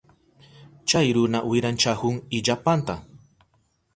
Chay runa wiranchahun illapanta.